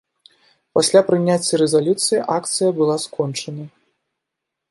Пасля прыняцця рэзалюцыі акцыя была скончана.